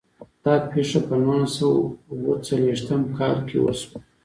دا پیښه په نولس سوه او اووه څلوېښتم کال کې وشوه.